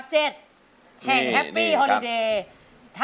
หล่น